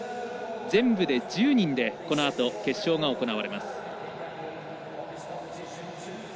全部で１０人でこのあと決勝が行われます。